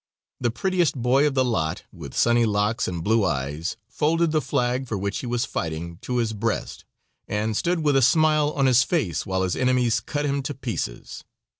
The prettiest boy of the lot, with sunny locks and blue eyes, folded the flag, for which he was fighting, to his breast, and stood with a smile on his face while his enemies cut him into pieces.